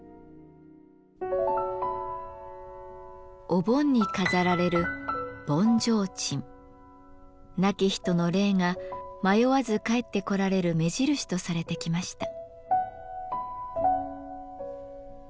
お盆に飾られる亡き人の霊が迷わず帰ってこられる目印とされてきました。